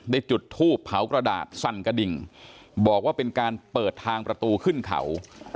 จุดทูบเผากระดาษสั่นกระดิ่งบอกว่าเป็นการเปิดทางประตูขึ้นเขา